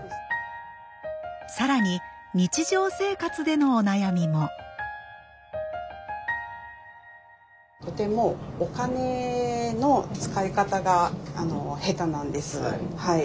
更に日常生活でのお悩みもとてもお金の使い方が下手なんです。